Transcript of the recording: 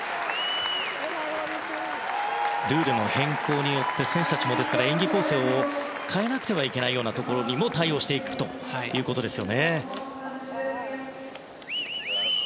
ルールの変更によって選手たちも演技構成を変えなくてはいけないようなところにも対応していくということですね。